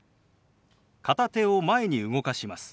片手を前に動かします。